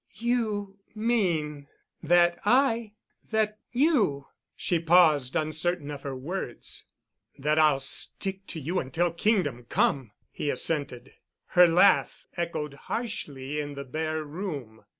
"You mean—that I—that you——" She paused, uncertain of her words. "That I'll stick to you until Kingdom Come," he assented. Her laugh echoed harshly in the bare room.